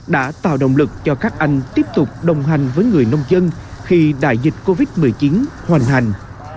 đã tạo động lực cho các anh tiếp tục đồng hành với người nông dân khi đại dịch covid một mươi chín hoành hành